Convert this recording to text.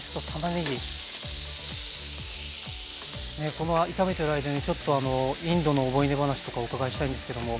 この炒めている間にちょっとインドの思い出話とかをお伺いしたいんですけども。